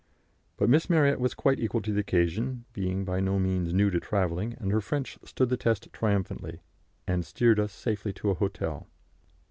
But Miss Marryat was quite equal to the occasion, being by no means new to travelling, and her French stood the test triumphantly, and steered us safely to a hotel.